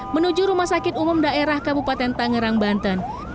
menuju rumah sakit umum daerah kabupaten tangerang banten